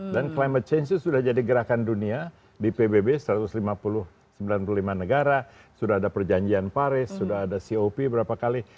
dan climate change itu sudah jadi gerakan dunia di pbb satu ratus lima puluh lima negara sudah ada perjanjian paris sudah ada cop berapa kali